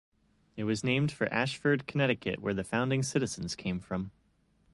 It was named for Ashford, Connecticut, where the founding citizens came from.